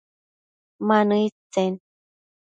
Ma nëid tsen ?